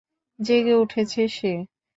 জেগে ওঠেছে সে।